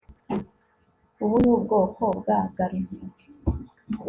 Ubu ni ubwoko bwa garuzi